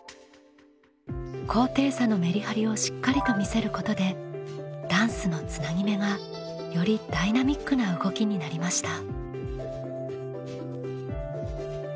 高低差のメリハリをしっかりと見せることでダンスのつなぎ目がよりダイナミックな動きになりました。